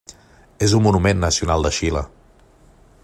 És un Monument Nacional de Xile.